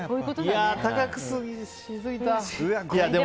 高くしすぎた。